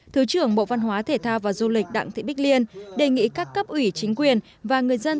thứ trưởng bộ văn hóa thể thao và du lịch đặng thị bích liên đề nghị các cấp ủy chính quyền và người dân